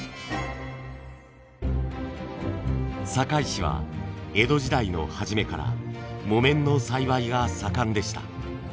堺市は江戸時代の初めから木綿の栽培が盛んでした。